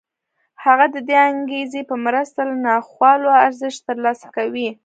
هغه د دې انګېزې په مرسته له ناخوالو ارزښت ترلاسه کوي